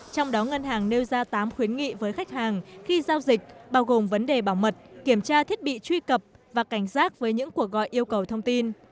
trong đó ngân hàng nêu ra tám khuyến nghị với khách hàng khi giao dịch bao gồm vấn đề bảo mật kiểm tra thiết bị truy cập và cảnh giác với những cuộc gọi yêu cầu thông tin